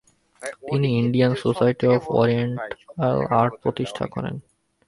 তিনি Indian society of oriental art প্রতিষ্ঠা করেন।